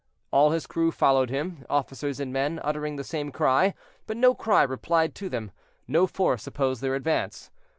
All his crew followed him, officers and men, uttering the same cry; but no cry replied to them, no force opposed their advance.